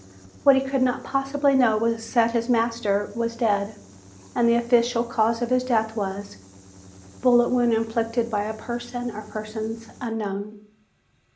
What he could not possibly know was that his master was dead and the official cause of his death was, "Bullet wound inflicted by a person or persons unknown."